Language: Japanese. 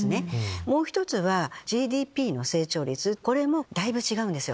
もう１つはＧＤＰの成長率これもだいぶ違うんですよ。